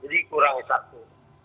jadi kurang satu